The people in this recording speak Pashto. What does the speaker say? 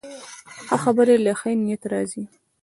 ښه خبرې له ښې نیت راځي